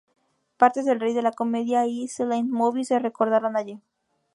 Partes de "El rey de la comedia" y Silent Movie se rodaron allí.